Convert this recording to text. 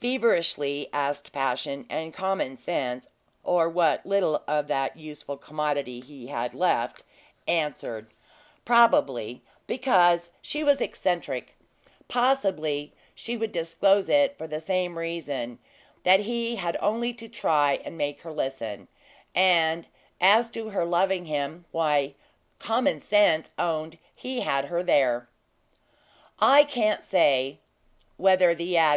feverishly asked Passion; and Common Sense (or what little of that useful commodity he had left) answered probably because she was eccentric possibly she would disclose it for the same reason; that he had only to try and make her listen; and as to her loving him, why, Common Sense owned he had her there. I can't say whether the adage!